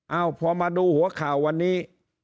พอมาดูหัวข่าววันนี้